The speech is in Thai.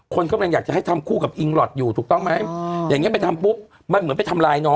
คนนั้นก็มาอยากให้ทำคู่กับอิงหลอดอยู่ถูกต้องไหม